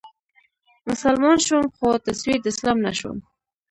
مسلمان شوم خو تصوير د اسلام نه شوم